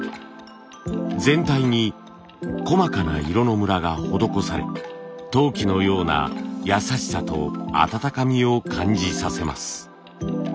全体に細かな色のムラが施され陶器のような優しさと温かみを感じさせます。